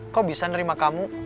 kok bisa nerima kamu